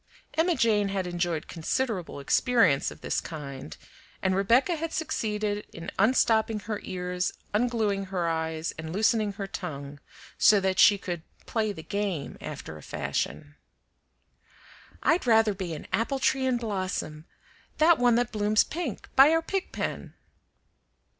Emma Jane had enjoyed considerable experience of this kind, and Rebecca had succeeded in unstopping her ears, ungluing her eyes, and loosening her tongue, so that she could "play the game" after a fashion. "I'd rather be an apple tree in blossom, that one that blooms pink, by our pig pen."